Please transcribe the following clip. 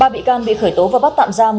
ba bị can bị khởi tố và bắt tạm giam